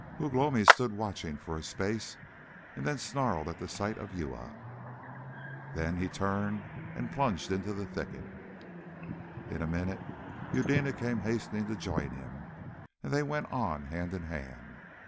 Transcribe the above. Ugh lomi stood watching for a space, and snarled at the sight of Uya. Then he turned and plunged into the thicket. In a minute, Eudena came hastening to join him, and they went on hand in hand.